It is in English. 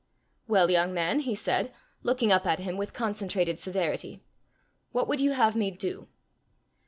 "Well, young man," he said, looking up at him with concentrated severity, "what would you have me do?"